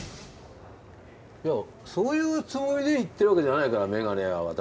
いやそういうつもりで行ってる訳じゃないからメガネ屋は私。